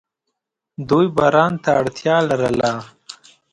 دوی باران ته اړتیا لرله.